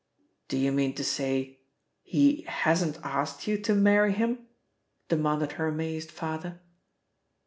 "Do you mean to say he hasn't asked you to marry him?" demanded her amazed father.